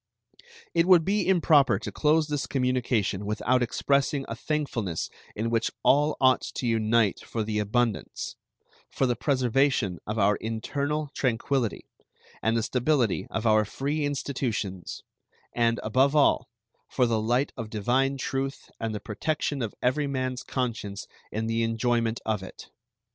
It would be improper to close this communication without expressing a thankfulness in which all ought to unite for the abundance; for the preservation of our internal tranquillity, and the stability of our free institutions, and, above all, for the light of divine truth and the protection of every man's conscience in the enjoyment of it.